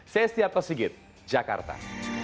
saya setiap tosigit jakarta